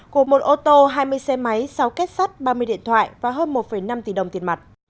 của một ô tô hai mươi xe máy sáu kết sắt ba mươi điện thoại và hơn một năm tỷ đồng tiền mặt